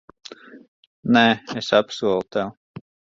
Nē, es apsolu tev.